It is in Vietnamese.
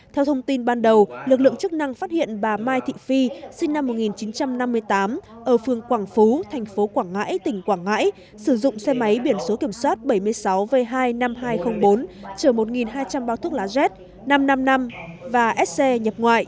theo thông tin ban đầu lực lượng chức năng phát hiện bà mai thị phi sinh năm một nghìn chín trăm năm mươi tám ở phương quảng phú thành phố quảng ngãi tỉnh quảng ngãi sử dụng xe máy biển số kiểm soát bảy mươi sáu v hai mươi năm nghìn hai trăm linh bốn chở một hai trăm linh bao thuốc lá z năm trăm năm mươi năm và sc nhập ngoại